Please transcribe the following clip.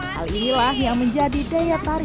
hal inilah yang menjadi daya tarik